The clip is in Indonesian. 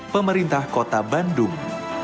pemerintah kota bandung